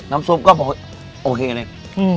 น้ำซุปก็โอเคเลยมีความหวานมีความชิม